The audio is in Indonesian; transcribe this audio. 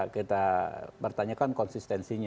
kita pertanyakan konsistensi itu